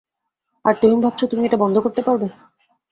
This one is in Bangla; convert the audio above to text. আর তুমি ভাবছো, তুমি এটা বন্ধ করতে পারবে?